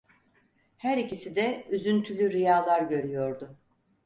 Her ikisi de üzüntülü rüyalar görüyordu.